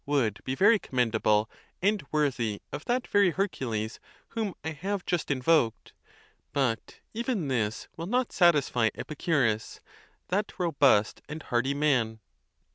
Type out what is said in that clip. would be very commendable, and worthy of that very Hercules whom I have just invoked) : but even this will not satisfy Epicurus, that robust and hardy man!